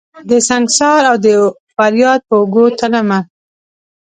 دسنګسار اودفریاد په اوږو تلمه